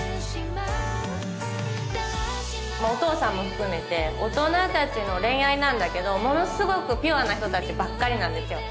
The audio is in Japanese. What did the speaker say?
お父さんも含めて大人たちの恋愛なんだけどものすごくピュアな人たちばっかりなんですよ